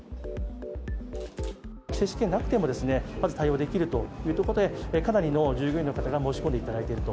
接種券がなくても対応できるというところで、かなりの従業員の方が申し込んでいただいてると。